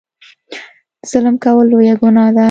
ظلم کول لویه ګناه ده.